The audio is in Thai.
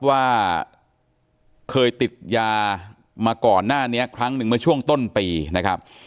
ว่าเคยติดยามาก่อนหน้านี้ครั้งหนึ่งเมื่อช่วงต้นปีนะครับ